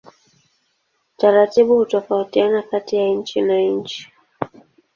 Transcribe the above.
Taratibu hutofautiana kati ya nchi na nchi.